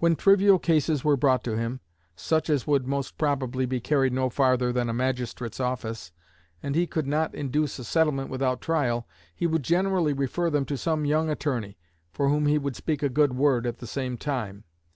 When trivial cases were brought to him, such as would most probably be carried no farther than a magistrate's office, and he could not induce a settlement without trial, he would generally refer them to some young attorney, for whom he would speak a good word at the same time.